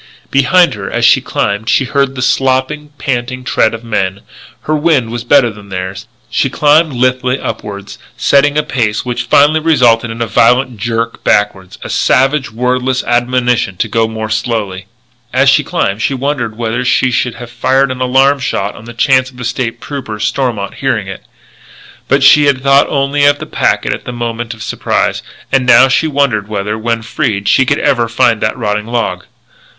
Behind her as she climbed she heard the slopping, panting tread of men; her wind was better than theirs; she climbed lithely upward, setting a pace which finally resulted in a violent jerk backward, a savage, wordless admonition to go more slowly. As she climbed she wondered whether she should have fired an alarm shot on the chance of the State Trooper, Stormont, hearing it. But she had thought only of the packet at the moment of surprise. And now she wondered whether, when freed, she could ever again find that rotting log.